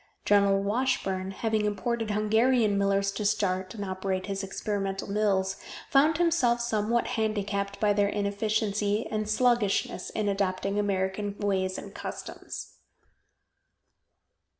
General Washburn, having imported Hungarian millers to start and operate his experimental mills, found himself somewhat handicapped by their inefficiency and sluggishness in adopting American ways and customs.